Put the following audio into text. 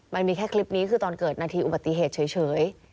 มันมีแค่คลิปนี้คือตอนเกิดนาทีอุบัติเหตุเฉย